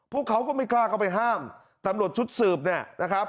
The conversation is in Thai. เขาก็ไม่กล้าเข้าไปห้ามตำรวจชุดสืบเนี่ยนะครับ